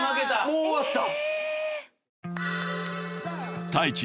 もう終わった。